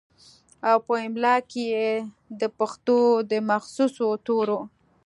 او پۀ املا کښې ئې دَپښتو دَمخصوصو تورو